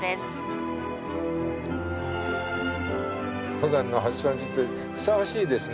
登山の発祥の地ってふさわしいですね